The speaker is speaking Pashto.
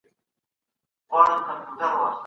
کندهارۍ غاړې ولي په نورو ولایتونو کي خوښېږي؟